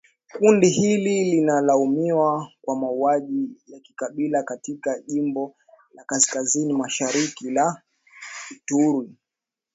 Kundi hili linalaumiwa kwa mauaji ya kikabila katika jimbo la kaskazini mashariki la Ituri